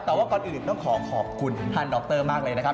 แต่ว่าก่อนอื่นต้องขอขอบคุณท่านดรมากเลยนะครับ